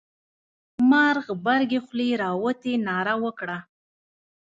مار غبرگې خولې را وتې ناره وکړه.